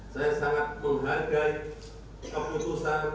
saya sangat menghargai keputusan